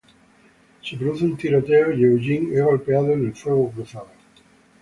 Se produce un tiroteo y Eugene es golpeado en el fuego cruzado.